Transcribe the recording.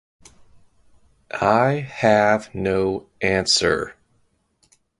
I have no answer.